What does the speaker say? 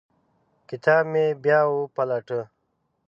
کتاب مې بیا وپلټه.